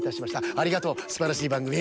ありがとうすばらしいばんぐみ。